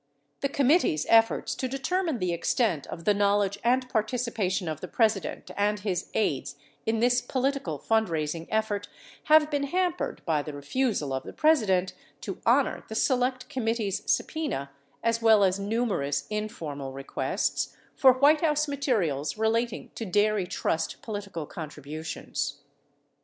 The committee's efforts to determine the extent of the knowledge and participation of the President and his aides in this political fund raising effort have been hampered by the refusal of the President to honor the Select Committee's subpena (as well as numerous informal requests) for White House materials relating to dairy trust political contributions.